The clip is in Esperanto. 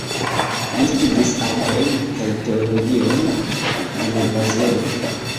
Li studis artojn kaj teologion en Bazelo.